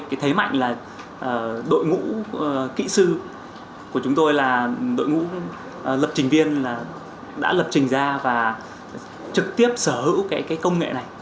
cái thế mạnh là đội ngũ kỹ sư của chúng tôi là đội ngũ lập trình viên là đã lập trình ra và trực tiếp sở hữu cái công nghệ này